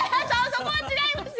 そこは違いますよ！